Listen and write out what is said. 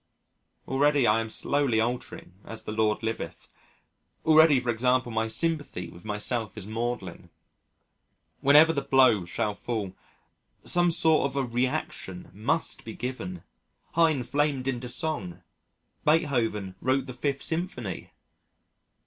Already I am slowly altering, as the Lord liveth. Already for example my sympathy with myself is maudlin. Whenever the blow shall fall, some sort of a reaction must be given. Heine flamed into song. Beethoven wrote the 5th Symphony.